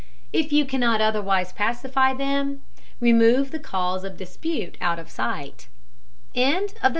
If you cannot otherwise pacify them, remove the cause of dispute out of sight.